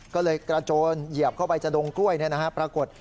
ก็เลยกระโจนเหยียบเข้าไปจะดงกล้วยปรากฏ